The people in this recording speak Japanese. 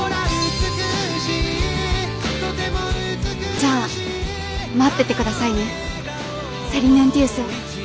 じゃあ待ってて下さいねセリヌンティウス。